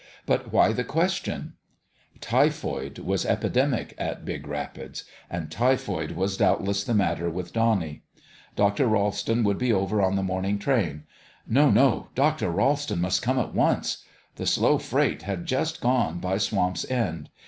But why the question ? Typhoid was epidemic at Big Rapids; and typhoid was doubtless the matter with Donnie. Dr. Ralston would be over on the morning train. No, no ! Dr. Ralston must come at once. The slow freight had just gone by Swamp's End.